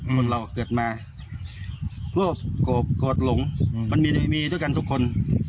คนเราเกิดมาโรคโกรธหลงมันมีด้วยกันทุกคน